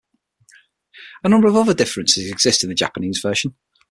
A number of other differences exist in the Japanese version.